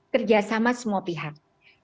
kerjasama semua pihak